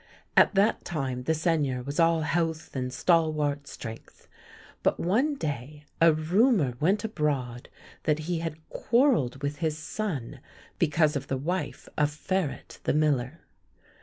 At that time the Seigneur was all health and stalwart strength. But one day a rumour went abroad that he had quarrelled with his son because of the wife of Farette the miller.